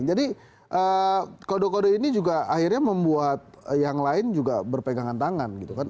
jadi kode kode ini juga akhirnya membuat yang lain juga berpegangan tangan gitu kan